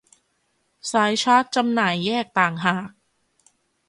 สายชาร์จจำหน่ายแยกต่างหาก